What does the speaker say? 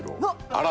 あら。